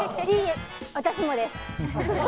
私もです。